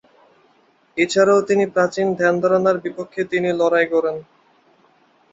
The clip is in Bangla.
এছাড়াও তিনি প্রাচীন ধ্যান-ধারণার বিপক্ষে তিনি লড়াই করেন।